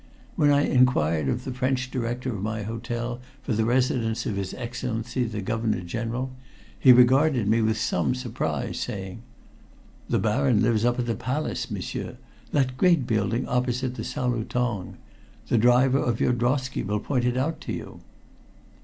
When I inquired of the French director of my hotel for the residence of his Excellency, the Governor General, he regarded me with some surprise, saying: "The Baron lives up at the Palace, m'sieur that great building opposite the Salutong. The driver of your drosky will point it out to you."